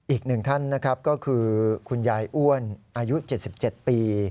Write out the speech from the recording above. อีกหนึ่งท่านนะครับก็คือคุณยายอ้วนอายุ๗๗ปี